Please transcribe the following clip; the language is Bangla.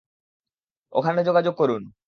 ওখানে যোগাযোগ করুন।